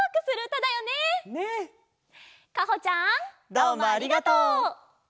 どうもありがとう！